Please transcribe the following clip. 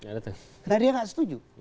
karena dia tidak setuju